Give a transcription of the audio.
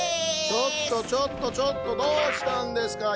ちょっとちょっとちょっとどうしたんですかいったい。